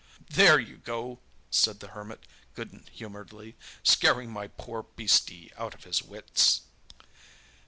"There you go!" said the Hermit good humouredly, "scaring my poor beastie out of his wits."